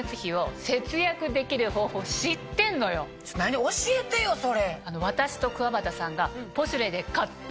何教えてよそれ。